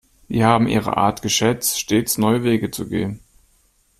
Wir haben ihre Art geschätzt, stets neue Wege zu gehen.